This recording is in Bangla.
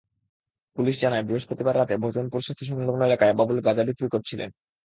পুলিশ জানায়, বৃহস্পতিবার রাতে ভজনপুর সেতুসংলগ্ন এলাকায় বাবুল গাঁজা বিক্রি করছিলেন।